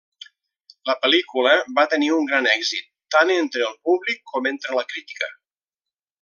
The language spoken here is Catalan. La pel·lícula va tenir un gran èxit, tant entre el públic com entre la crítica.